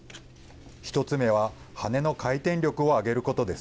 一つ目は羽根の回転力を上げることです。